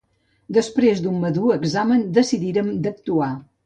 Després d'un madur examen decidírem d'actuar.